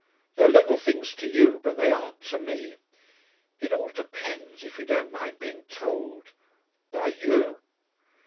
"They're little things to you, but they aren't to me." "It all depends, if you don't mind being told." "By you?"